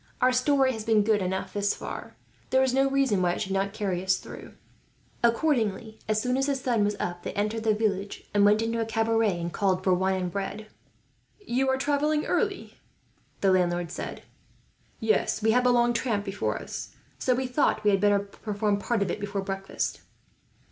Our story has been good enough, thus far. There is no reason why it should not carry us through." Accordingly, as soon as the sun was up they entered the village, and went into a cabaret and called for wine and bread. "You are travelling early," the landlord said. "Yes, we have a long tramp before us, so we thought we had better perform part of it before breakfast."